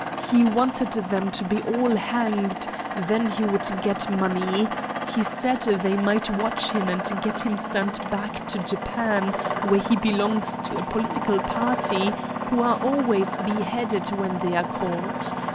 He wanted them to be all hanged, then he would get money. He said they might watch him and get him sent back to Japan, where he belongs to a political palty who are always beheaded when they are caught.